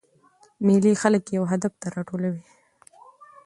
مېلې خلک یو هدف ته راټولوي.